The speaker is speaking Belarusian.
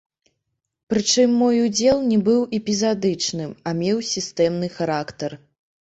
Прычым мой удзел не быў эпізадычным, а меў сістэмны характар.